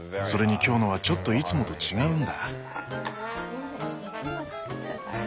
それに今日のはちょっといつもと違うんだ。